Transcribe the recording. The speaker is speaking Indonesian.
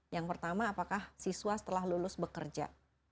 yang pertama apakah siswa setelah lulus bekerja